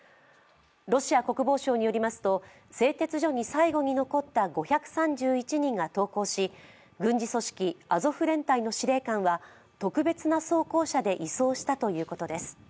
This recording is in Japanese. ロシア国防省によりますと、製鉄所に最後に残った５３１人が投降し、軍事組織アゾフ連隊の司令官は特別な装甲車で移送したということです。